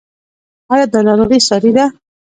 ایا دا ناروغي ساري ده؟